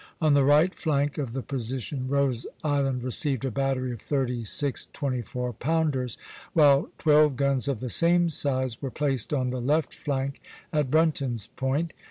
On the right flank of the position Rose Island received a battery of thirty six 24 pounders; while twelve guns of the same size were placed on the left flank at Brenton's Point.